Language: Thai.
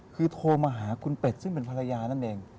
คือโทรมาหาคุณเป็ดซึ่งเป็นภรรยานั่นเอง